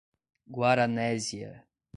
Guaranésia